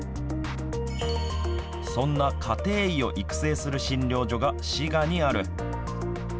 そんな家庭医を育成する診療所が滋賀にある。